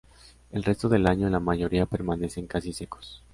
El resto del año la mayoría permanecen casi secos.